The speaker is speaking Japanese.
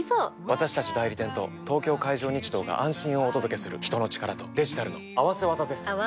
私たち代理店と東京海上日動が安心をお届けする人の力とデジタルの合わせ技です！